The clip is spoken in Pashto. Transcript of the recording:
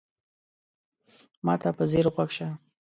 ما ته په ځیر غوږ شه !